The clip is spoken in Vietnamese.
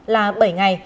là bảy ngày